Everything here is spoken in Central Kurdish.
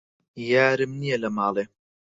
یارم نیە لە ماڵێ